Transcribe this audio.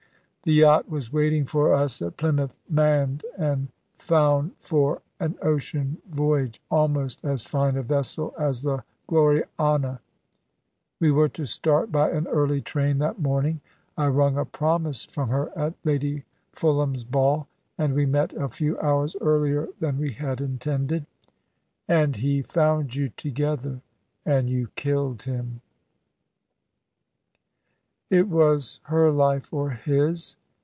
The yacht was waiting for us at Plymouth, manned and found for an ocean voyage almost as fine a vessel as the Gloriana. We were to start by an early train that morning. I wrung a promise from her at Lady Fulham's ball; and we met a few hours earlier than we had intended." "And he found you together, and you killed him?" "It was her life or his.